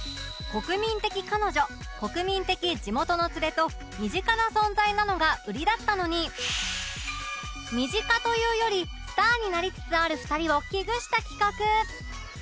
と身近な存在なのが売りだったのに身近というよりスターになりつつある２人を危惧した企画